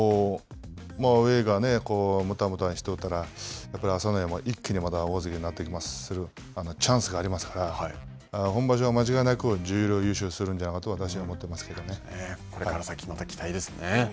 上がもたもたしとったらやっぱり朝乃山、一気に大関になってくるチャンスがありますから、本場所は間違いなく十両優勝するんじゃないかとこれから先また期待ですね。